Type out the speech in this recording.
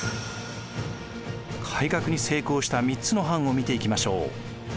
改革に成功した３つの藩を見ていきましょう。